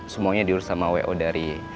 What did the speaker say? semuanya diurus sama wo dari